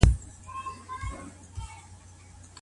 رسول الله طلاق د څه سي په توګه ياد کړی دی؟